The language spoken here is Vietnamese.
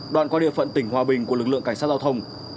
đoạn qua địa phận tỉnh hòa bình của lực lượng cảnh sát giao thông